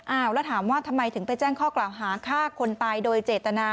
แล้วถามว่าทำไมถึงไปแจ้งข้อกล่าวหาฆ่าคนตายโดยเจตนา